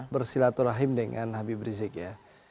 bersilaturahim dengan habib rizik ya